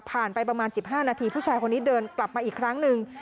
ไปประมาณ๑๕นาทีผู้ชายคนนี้เดินกลับมาอีกครั้งหนึ่ง